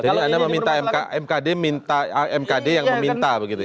jadi anda meminta mkd yang meminta begitu ya